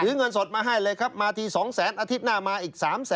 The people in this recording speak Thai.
จึงมาให้๒๐๐๐๐๐อาทิตย์หน้ามาอีก๓๐๐๐๐๐